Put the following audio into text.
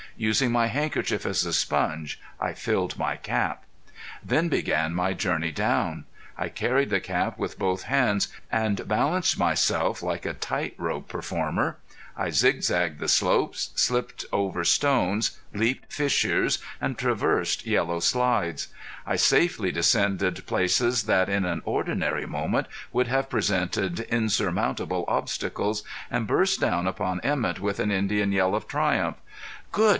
Using my handkerchief as a sponge I filled my cap. Then began my journey down. I carried the cap with both hands and balanced myself like a tight rope performer. I zigzagged the slopes; slipped over stones; leaped fissures and traversed yellow slides. I safely descended places that in an ordinary moment would have presented insurmountable obstacles, and burst down upon Emett with an Indian yell of triumph. "Good!"